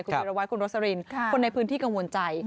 คุณพิรวัตรคุณโรสลินคนในพื้นที่กังวลใจ